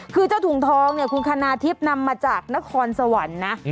คือเจ้าถุงทองเนี่ยคุณคณาทิพย์นำมาจากนครสวรรค์นะ